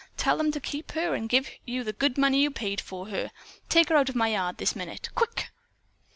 Tell them to keep her and give you the good money you paid for her. Take her out of my yard this minute! Quick!"